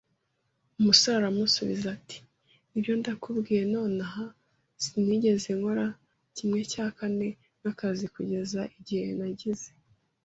Umusore aramusubiza ati: "Nibyo, ndakubwiye nonaha, sinigeze nkora kimwe cya kane nk'akazi kugeza igihe nagize